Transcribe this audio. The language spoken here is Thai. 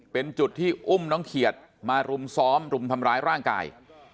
เป็นจุดที่อุ้มน้องเขียดมารุมซ้อมรุมทำร้ายร่างกาย